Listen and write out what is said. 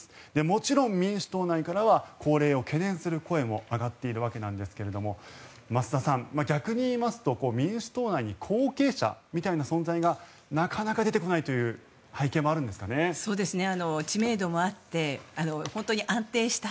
もちろん民主党内からは高齢を懸念する声も上がっているわけなんですが増田さん、逆に言いますと民主党内に後継者みたいな存在がなかなか出てこないという背景もあるんですかね。